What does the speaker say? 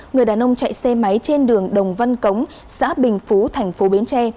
người đàn ông chạy xe máy trên đường đồng văn cống xã bình phú thành phố bến tre